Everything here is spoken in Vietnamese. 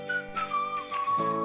bầu có mũi